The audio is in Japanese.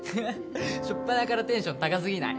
初っぱなからテンション高すぎない？